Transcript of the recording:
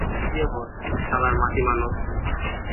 দূরে গিয়ে মর, শালার মাটিমানব!